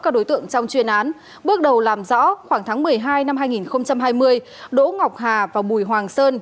các đối tượng trong chuyên án bước đầu làm rõ khoảng tháng một mươi hai năm hai nghìn hai mươi đỗ ngọc hà và bùi hoàng sơn